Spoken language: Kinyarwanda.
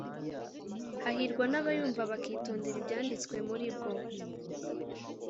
hahirwa n’abayumva bakitondera ibyanditswe muri bwo,